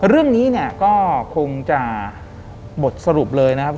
เรื่องนี้เนี่ยก็คงจะบทสรุปเลยนะครับ